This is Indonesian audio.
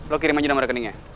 lo kirim aja nama rekeningnya